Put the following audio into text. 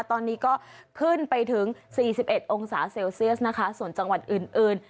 ตอนนี้ก็ขึ้นไปถึง๔๑องศาเซลเซียสนะคะส่วนจังหวัดอื่นอื่น